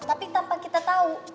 tapi tanpa kita tau